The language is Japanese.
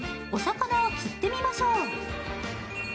お魚を釣ってみましょう。